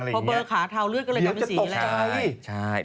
เพราะเบลอขาเทาเลือดก็เลยจะเป็นสีแดง